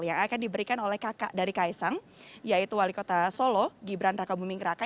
yang akan diberikan oleh kakak dari kaisang yaitu wali kota solo gibran raka buming raka